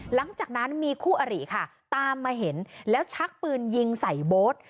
หลังจากนั้นมีคู่อริค่ะตามมาเห็นแล้วชักปืนยิงใส่โบ๊ท